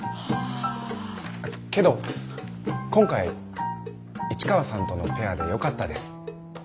けど今回市川さんとのペアでよかったです。